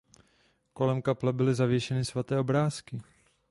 Kolem kaple byly zavěšeny svaté obrázky.